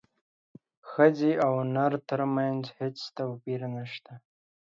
ښځې او نر ترمنځ هیڅ توپیر نشته